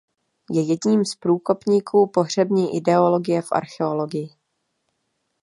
Je jedním z průkopníků pohřební ideologie v archeologii.